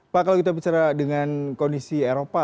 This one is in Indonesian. pak kalau kita bicara dengan kondisi eropa